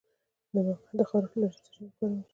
د مقعد د خارښ لپاره باید څه شی وکاروم؟